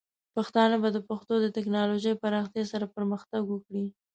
پښتانه به د پښتو د ټیکنالوجۍ پراختیا سره پرمختګ وکړي.